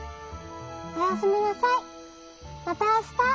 おやすみなさい。